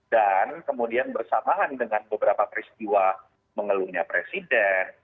dan kemudian bersamaan dengan beberapa peristiwa mengeluhnya presiden